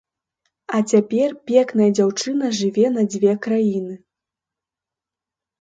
А цяпер пекная дзяўчына жыве на дзве краіны.